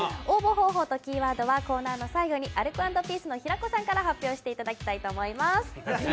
応募方法とキーワードはコーナーの最後にアルコ＆ピースの平子さんから発表していただきます。